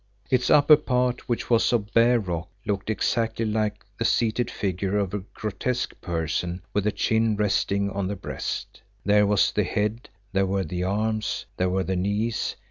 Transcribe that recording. Its upper part, which was of bare rock, looked exactly like the seated figure of a grotesque person with the chin resting on the breast. There was the head, there were the arms, there were the knees.